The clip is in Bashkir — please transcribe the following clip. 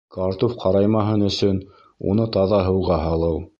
Картуф ҡараймаһын өсөн, уны таҙа һыуға һалыу